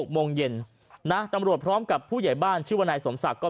โมงเย็นนะตำรวจพร้อมกับผู้ใหญ่บ้านชื่อว่านายสมศักดิ์ก็